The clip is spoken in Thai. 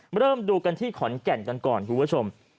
เริ่มดูกันที่ขอนแก่นกันก่อนคุณผู้ชม